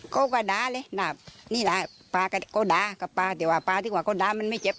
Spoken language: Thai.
ก็ก็ดาเลยดานี้แหละปลาก็ก็ดากับปลาเดี๋ยวว่าปลาไม่เจ็บ